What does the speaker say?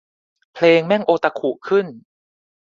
เพลงแม่งโอตาคุขึ้น